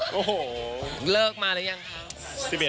โอ้โหเลิกมาแล้วยังครับ